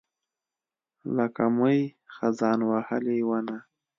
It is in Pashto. لکه مئ، خزان وهلې ونه